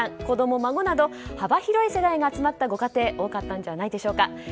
子供、孫など幅広い世代が集まったご家庭多かったんじゃないでしょうか。